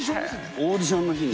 オーディションの日に。